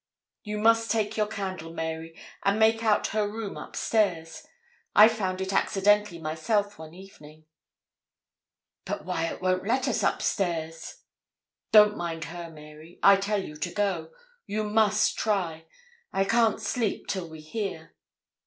'You must take your candle, Mary, and make out her room, upstairs; I found it accidentally myself one evening.' 'But Wyat won't let us upstairs.' 'Don't mind her, Mary; I tell you to go. You must try. I can't sleep till we hear.'